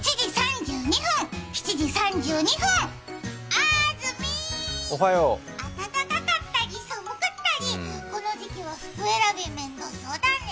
あずみ、暖かかったり寒かったりこの時期は服選びがめんどそうだね。